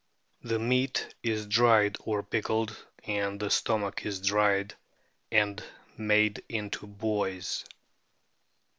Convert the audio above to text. The meat is dried or pickled, and the stomach is dried and made into buoys.